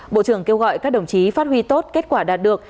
bộ trưởng kêu gọi các đồng chí phát huy tốt kết quả đạt được